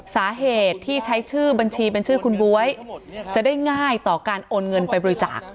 สาเหตุที่ใช้ชื่อบัญชีเป็นชื่อคุณบ๊วยจะได้ง่ายต่อการโอนเงินไปบริจาค